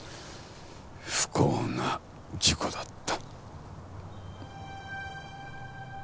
不幸な事故だった。